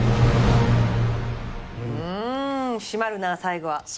うん締まるな最後は。